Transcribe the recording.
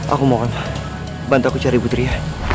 aku mohon bantu aku cari putri ya